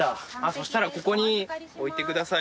そしたらここに置いてください